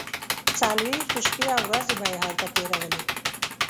څلوېښت شپې او ورځې به یې هلته تیرولې.